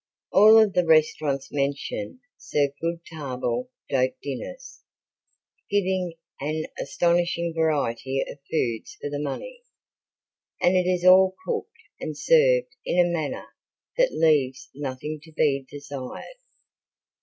All of the restaurants mentioned serve good table d'hote dinners, giving an astonishing variety of foods for the money, and it is all cooked and served in a manner that leaves nothing to be desired.